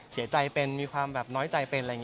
เสียใจเป็นมีความน้อยใจ